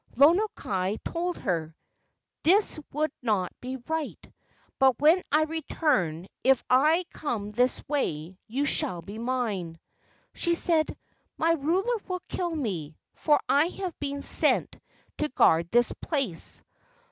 Lono kai told her, "This would not be right, but when I return, if I come this way, you shall be mine." She said, "My ruler will kill me, for I have been sent to guard this place."